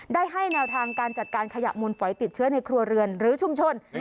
ได้ให้แนวทางการจัดการขยะมูลฝอยติดเชื้อในครัวเรือนหรือชุมชน